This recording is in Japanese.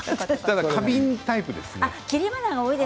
花瓶タイプですね。